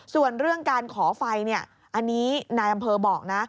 ส่วนเรื่องการขอไฟอันนี้นายอำเภอบอกนะ